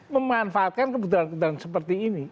memanfaatkan kebetulan kebetulan seperti ini